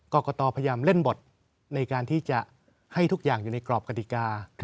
กรกตพยายามเล่นบทในการที่จะให้ทุกอย่างอยู่ในกรอบกฎิกา